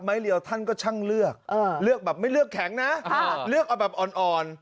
เรียวท่านก็ช่างเลือกเลือกแบบไม่เลือกแข็งนะเลือกเอาแบบอ่อน